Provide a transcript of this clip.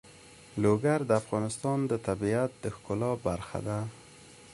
لوگر د افغانستان د طبیعت د ښکلا برخه ده.